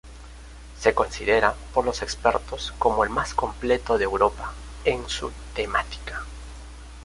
Se considera por los expertos como el más completo de Europa en su temática.